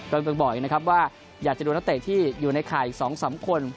เมืองบอกอีกนะครับว่าอยากจะดูนักเตะที่อยู่ในข่าย๒๓คน